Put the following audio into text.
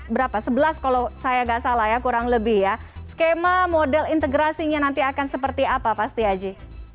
berapa sebelas kalau saya nggak salah ya kurang lebih ya skema model integrasinya nanti akan seperti apa pak setiaji